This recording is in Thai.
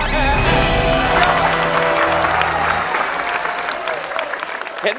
ไม่ใช้ครับ